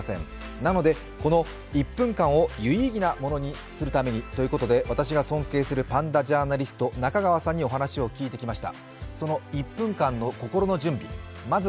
なのでこの１分間を有意義なものにするためにということで私が尊敬するパンダジャーナリスト、中川さんにお話を聞いてきました。